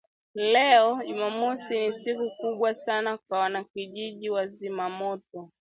Leo Jumamosi ni siku kubwa sana kwa wana kijiji wa Zimamoto